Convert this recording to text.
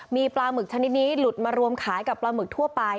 มีปลาหมึกชนิดนี้หลุดมารวมขายกับปลาหมึกทั่วไป